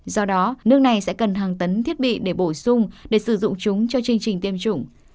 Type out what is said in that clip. do đó nước này sẽ cần hàng tấn thiết bị để bổ sung để sử dụng chúng cho chương trình tiêm chủng